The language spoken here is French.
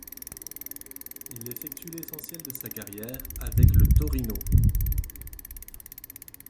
Il effectue l'essentiel de sa carrière avec le Torino.